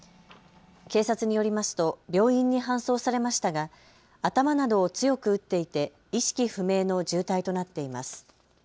警察によりますと病院に搬送されましたが頭などを強く打っていて意識不明の重体となっています。